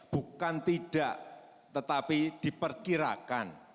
bukan tidak tetapi diperkirakan